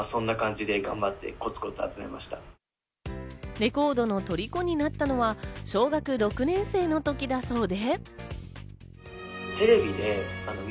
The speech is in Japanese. レコードの虜になったのは、小学６年生の時だそうで。